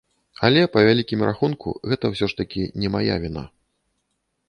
Але, па вялікім рахунку, гэта ўсё ж такі не мая віна.